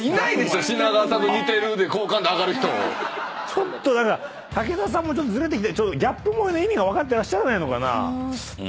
ちょっと何か武田さんもずれてきてギャップ萌えの意味が分かってらっしゃらないのかな。